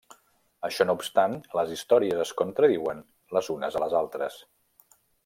Això no obstant, les històries es contradiuen les unes a les altres.